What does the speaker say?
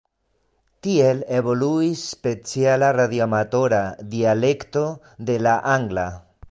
Tiel evoluis speciala radioamatora dialekto de la angla.